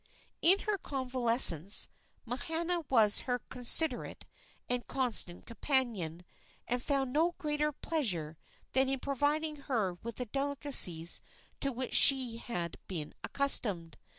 In her convalescence Mahana was her considerate and constant companion, and found no greater pleasure than in providing her with the delicacies to which she had been accustomed.